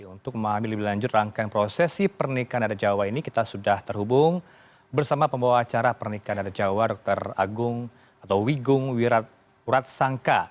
untuk memahami lebih lanjut rangkaian prosesi pernikahan adat jawa ini kita sudah terhubung bersama pembawa acara pernikahan adat jawa dr agung atau wigung wiratsangka